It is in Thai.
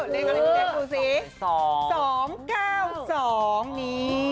เลขทูปที่ได้ก็คือ๒๙๒นี่